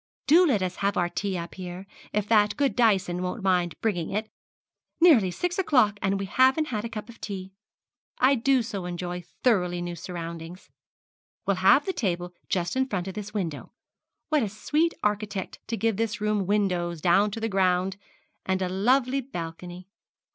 Do let us have our tea up here, if that good Dyson won't mind bringing it. Nearly six o'clock, and we haven't had a cup of tea! I do so enjoy thoroughly new surroundings. We'll have the table just in front of this window. What a sweet architect to give this room windows down to the ground, and a lovely balcony!